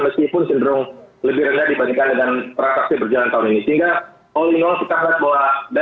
meskipun cenderung lebih rendah dibandingkan dengan